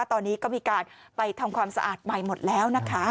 ตอนนี้ก็มีการไปทำความสะอาดใหม่หมดแล้วนะคะ